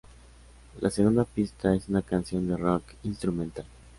La segunda pista es una canción de rock instrumental.